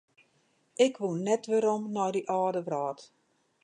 Ik woe net werom nei dy âlde wrâld.